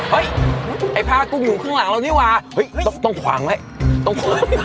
เฮ้ยไอ้พากุ้งอยู่ข้างหลังเราเนี้ยว่ะเฮ้ยต้องต้องขวางแหละต้อง